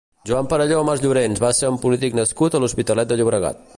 Joan Perelló Masllorens va ser un polític nascut a l'Hospitalet de Llobregat.